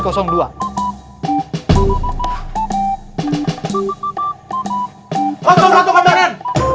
kosong satu komandan